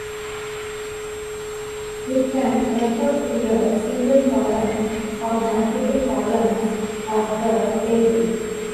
It can refer to a single column, or multiple columns of the table.